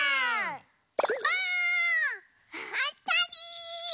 ばあっ！あたり！